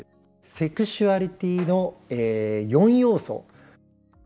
「セクシュアリティーの４要素」。